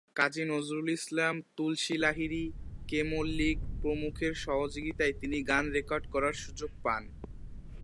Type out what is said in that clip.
কাজী Nazrul Islam, Tulsi Lahiri, K Mallick প্রমুখের সহযোগিতায় তিনি গান রেকর্ড করার সুযোগ পান।